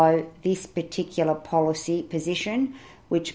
untuk mengikuti posisi politik tersebut